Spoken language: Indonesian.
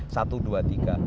satu dua tiga